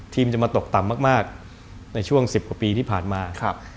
จะมาตกต่ำมากในช่วง๑๐กว่าปีที่ผ่านมา